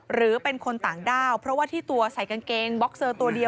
หรือเป็นคนต่างด้าวเพราะว่าที่ตัวใส่กางเกงบ็อกเซอร์ตัวเดียว